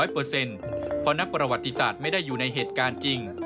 เพราะนักประวัติศาสตร์ไม่ได้อยู่ในเหตุการณ์จริง